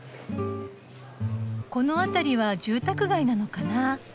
この辺りは住宅街なのかな。